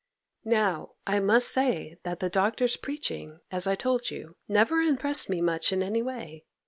'Now I must say that the Doctor's preaching, as I told you, never impressed me much in any way.